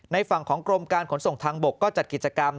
ฝั่งของกรมการขนส่งทางบกก็จัดกิจกรรม